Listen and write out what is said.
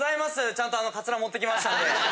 ちゃんとあのカツラ持ってきましたんで。